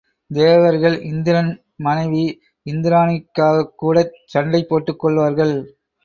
தேவர்கள் இந்திரன் மனைவி இந்திராணிக்காகக் கூடச் சண்டை போட்டுக் கொள்வார்கள்.